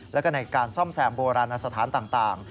แล้วก็ในการซ่อมแซมโบราณสถานต่าง